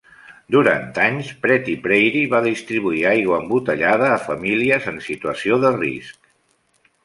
Durant anys, Pretty Prairie va distribuir aigua embotellada a famílies en situació de risc.